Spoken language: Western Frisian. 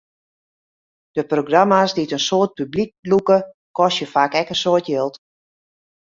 De programma's dy't in soad publyk lûke, kostje faak ek in soad jild.